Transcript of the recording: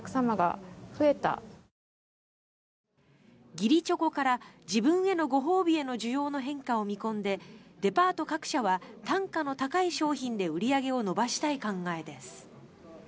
義理チョコから自分へのご褒美への需要の変化を見込んでデパート各社は単価の高い商品で売り上げを伸ばしたい考えです。